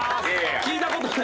聞いたことない。